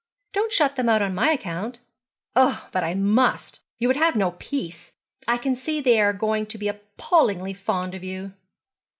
'Don't shut them out on my account.' 'Oh, but I must. You would have no peace. I can see they are going to be appallingly fond of you.'